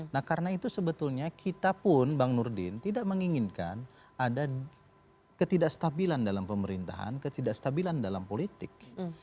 nah karena itu sebetulnya kita pun bang nurdin tidak menginginkan ada ketidakstabilan dalam pemerintahan ketidakstabilan dalam politik